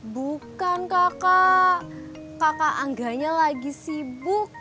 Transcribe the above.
bukan kakak kakak angganya lagi sibuk